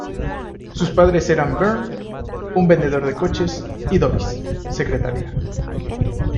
Sus padres eran Vern, un vendedor de coches, y Doris, secretaria.